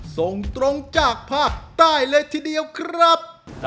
ส่งตรงจากภาคใต้เลยทีเดียวครับ